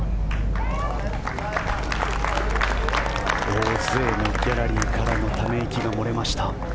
大勢のギャラリーからため息が漏れました。